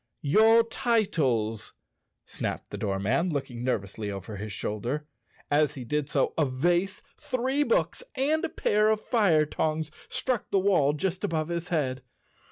"Your titles," snapped the doorman, looking nerv¬ ously over his shoulder. As he did so, a vase, three books and a pair of fire tongs struck the wall just above his head.